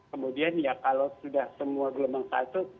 kemudian ya kalau sudah semua gelombang satu